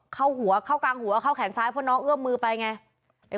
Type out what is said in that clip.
เข้าหัวเข้ากลางหัวเข้าแขนซ้ายเพราะน้องเอื้อมมือไปไง